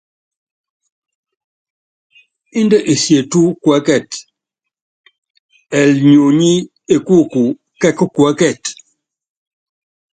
Indɛ esietu kuɛ́kɛt, ɛɛli nyonyí ekúuku kɛ́k kuɛ́kɛt.